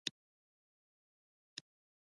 آیا غنم کرل د برکت کار نه دی؟